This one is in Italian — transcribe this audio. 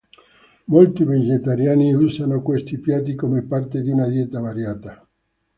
Molti vegetariani usano questi piatti come parte di una dieta variata.